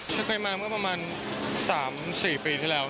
เคยมาเมื่อประมาณ๓๔ปีที่แล้ว